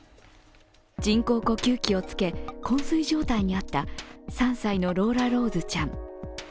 人工呼吸器をつけ、こん睡状態にあった３歳のローラローズちゃん。